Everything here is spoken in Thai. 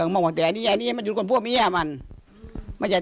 พวกนี้ไม่ร้านดิหรอกพวกนี้ไม่ร้านดิหรอก